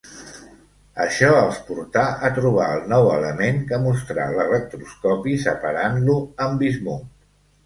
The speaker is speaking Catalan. Això els portà a trobar el nou element, que mostrà l'electroscopi separant-lo amb bismut.